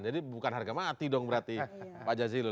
jadi bukan harga mati dong berarti pak jazilul